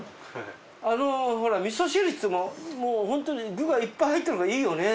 ほら味噌汁っつってもホントに具がいっぱい入ってるからいいよね